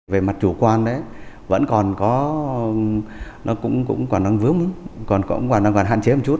về mặt chủ quan vẫn còn có nó cũng còn đang vướng còn còn hạn chế một chút